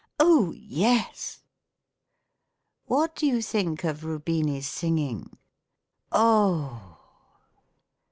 " Oh, yes !"" What do you think of Rubini's singing ?"" Oh